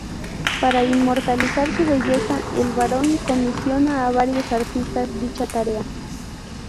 Para inmortalizar su belleza el Barón comisiona a varios artistas dicha tarea.